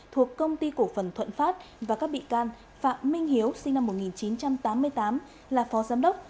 thuộc công ty cổ phần thuận pháp và các bị can phạm minh hiếu sinh năm một nghìn chín trăm tám mươi tám là phó giám đốc